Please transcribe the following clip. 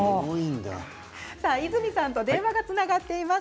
和泉さんと電話がつながっています。